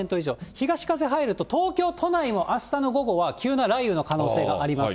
東風入ると、東京都内もあしたの午後は、急な雷雨の可能性があります。